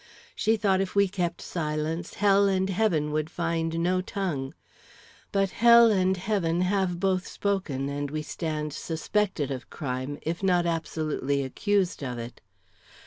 She thought if we kept silence, hell and heaven would find no tongue. But hell and heaven have both spoken, and we stand suspected of crime, if not absolutely accused of it.